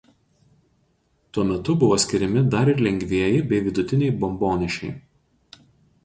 Tuo metu buvo skiriami dar ir lengvieji bei vidutiniai bombonešiai.